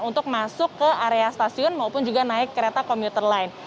untuk masuk ke area stasiun maupun juga naik kereta komuter lain